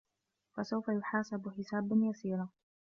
فَسَوفَ يُحاسَبُ حِسابًا يَسيرًا